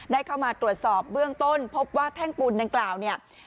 ได้เข้ามาตรวจสอบเบื้องต้นพบว่าแท่งปูนดังกล่าวเนี่ย